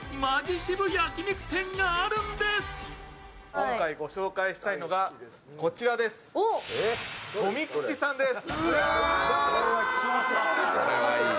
今回ご紹介したいのがこちら、富吉さんです。